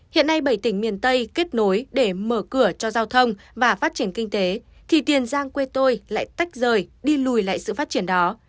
hiện nay bảy tỉnh miền tây kết nối để mở cửa cho giao thông và phát triển kinh tế thì tiền giang quê tôi lại tách rời đi lùi lại sự phát triển đó